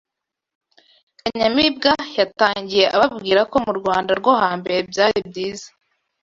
Kanyamibwa yatangiye ababwira ko mu Rwanda rwo hambere byari byiza